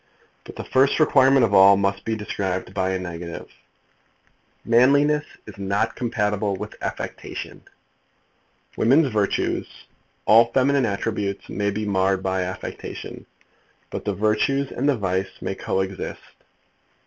But the first requirement of all must be described by a negative. Manliness is not compatible with affectation. Women's virtues, all feminine attributes, may be marred by affectation, but the virtues and the vice may co exist.